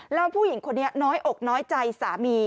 แล้วผู้หญิงคนนี้น้อยอกน้อยใจสามี